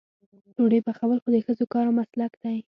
ډوډۍ پخول خو د ښځو کار او مسلک دی.